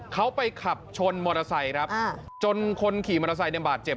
เขาไปขับชนมอเตอร์ไซค์ครับจนคนขี่มอเตอร์ไซค์ในบาดเจ็บ